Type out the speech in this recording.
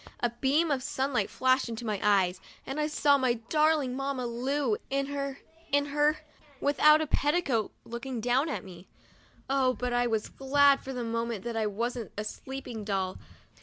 A beam of sunlight flashed into my eyes, and I saw my darling Mamma Lu in her — in her — without a petticoat, looking down at me. Oh, but I was glad for the moment that I wasn't a sleeping doll